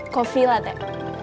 kopi lah teh